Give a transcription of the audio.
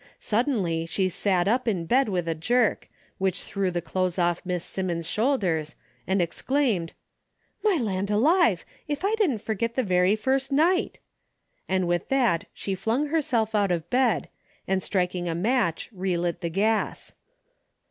Suddenly she sat straight, up in bed wfith a jerk, which threw the clothes off Miss Simmons' shoulders, and exclaimed : "My land alive! If I didn't forget the very first night," and with that she flung her self out of bed, and striking a match, relit the gas.